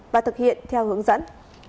và thực hiện theo hướng dẫn